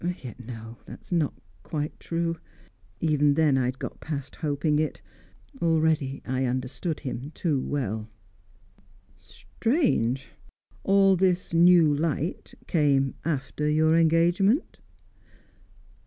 Yet no; that is not quite true. Even then, I had got past hoping it. Already I understood him too well." "Strange! All this new light came after your engagement?"